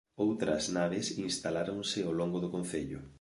Outras naves instaláronse ao longo do concello.